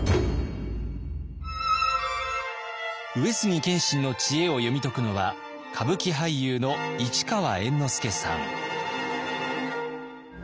上杉謙信の知恵を読み解くのは歌舞伎俳優の市川猿之助さん。